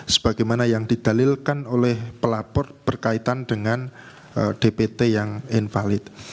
sebagaimana yang didalilkan oleh pelapor berkaitan dengan dpt yang invalid